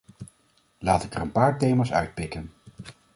Laat ik er een paar thema’s uitpikken.